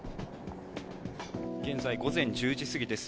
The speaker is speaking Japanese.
現在午前１０時過ぎです。